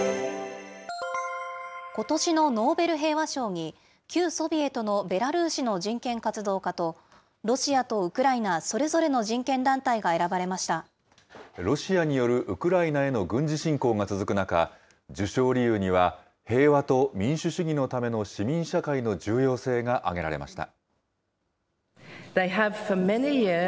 ことしのノーベル平和賞に、旧ソビエトのベラルーシの人権活動家と、ロシアとウクライナ、そロシアによるウクライナへの軍事侵攻が続く中、受賞理由には平和と民主主義のための市民社会の重要性が挙げられました。